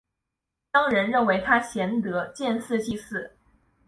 乡人认为他贤德建祠祭祀。